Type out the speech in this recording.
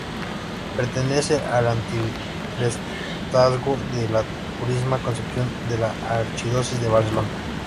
Pertenece al arciprestazgo de la Purísima Concepción de la Archidiócesis de Barcelona.